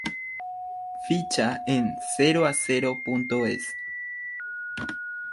Ficha en ceroacero.es